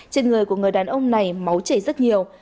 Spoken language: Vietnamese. trên người của người đàn ông này máu chảy rất nhiều